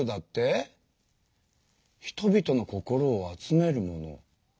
人々の心を集めるもの。